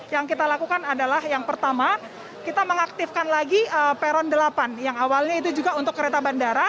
yang kita lakukan adalah yang pertama kita mengaktifkan lagi peron delapan yang awalnya itu juga untuk kereta bandara